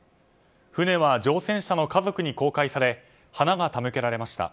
船は乗船者の家族に公開され花が手向けられました。